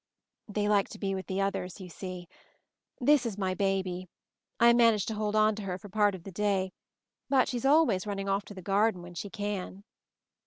"They like to be with the others, you see. This is my baby; I manage to hold on to her for part of the day, but she's always running off to The Garden when she can."